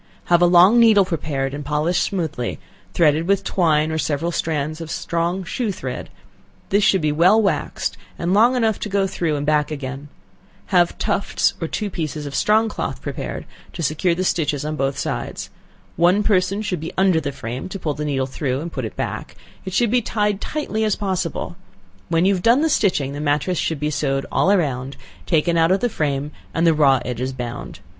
Have a long needle prepared and polished smoothly, threaded with twine, or several strands of strong shoe thread; this should be well waxed, and long enough to go through and back again; have tufts, or two pieces of strong cloth prepared, to secure the stitches on both sides; one person should be under the frame, to pull the needle through and put it back; it should be tied tightly as possible; when you have done stitching, the matress should be sewed all round, taken out of the frame and the raw edges bound.